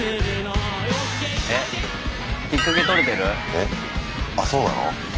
えっあっそうなの？